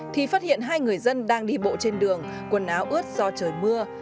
thì phát hiện hai người dân đang đi bộ trên đường quần áo ướt do trời mưa